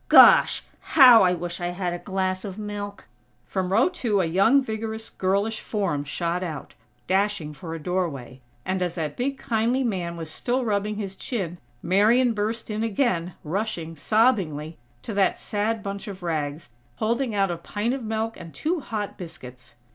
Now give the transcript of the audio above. Gosh!! How I wish I had a glass of milk!" From row two a young, vigorous girlish form shot out, dashing for a doorway; and as that big kindly man was still rubbing his chin, Marian burst in again, rushing, sobbingly, to that sad bunch of rags, holding out a pint of milk and two hot biscuits.